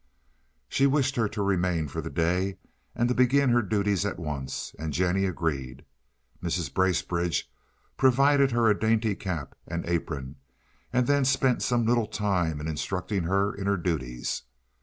She wished her to remain for the day and to begin her duties at once, and Jennie agreed. Mrs. Bracebridge provided her a dainty cap and apron, and then spent some little time in instructing her in her duties.